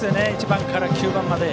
１番から９番まで。